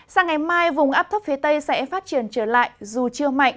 sang ngày mai vùng áp thấp phía tây sẽ phát triển trở lại dù chưa mạnh